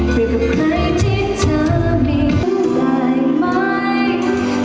เป็นกับใครที่เธอไม่รู้ได้ไหม